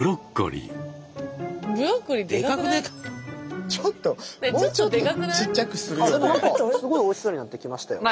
あっでも何かすごいおいしそうになってきましたよ。